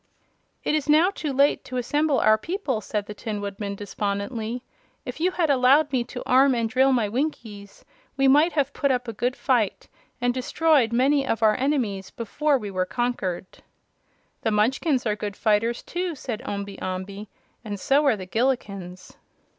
"It is now too late to assemble our people," said the Tin Woodman, despondently. "If you had allowed me to arm and drill my Winkies, we might have put up a good fight and destroyed many of our enemies before we were conquered." "The Munchkins are good fighters, too," said Omby Amby; "and so are the Gillikins."